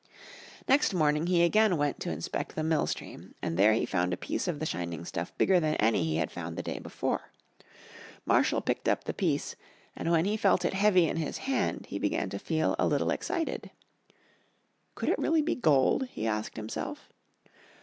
Next morning he again went to inspect the mill stream and there he found a piece of the shining stuff bigger than any he had found the day before. Marshall picked up the piece, and when he felt it heavy in his hand he began to feel a little excited. Could it really be gold? he asked himself.